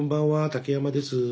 竹山です。